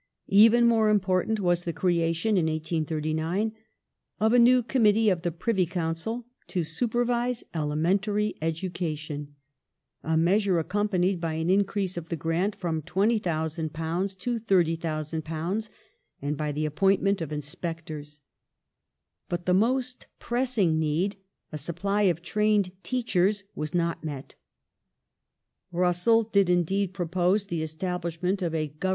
Even more important was the creation (1839) of a new Committee of the Privy Council to supervise ele mentary education — a measure accompanied by an increase of the grant from £JiO,000 to £30,000 and by the appointment of inspectoi s. But the most pressing need, a supply of trained teachei s, was not met. Russell did indeed propose the establishment of a Government ^Q.V.